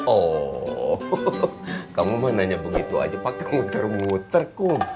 oh kamu mah nanya begitu aja pakai nguter nguter kum